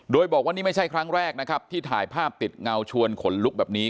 โดยบอกว่านี่ไม่ใช่ครั้งแรกนะครับที่ถ่ายภาพติดเงาชวนขนลุกแบบนี้